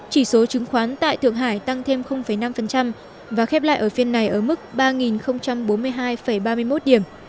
chỉ số chứng khoán tại thượng hải tăng thêm năm và khép lại ở phiên này ở mức ba bốn mươi hai ba mươi một điểm